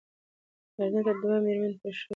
نارېنه ته دوه ميرمني ښې دي، خو چې څوک انصاف کوي